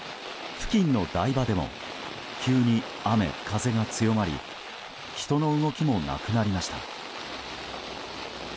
付近の台場でも急に雨、風が強まり人の動きもなくなりました。